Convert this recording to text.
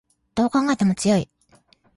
どう考えても強い